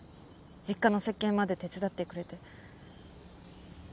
実家の設計まで手伝ってくれて。